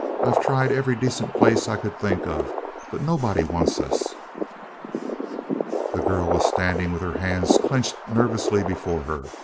I 've tried every decent place I could think of, but nobody wants us." The girl was standing with her hands clenched nervously before her.